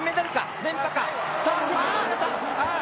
連覇か？